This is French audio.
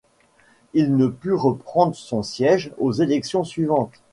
Il ne put reprendre son siège aux élections suivantes.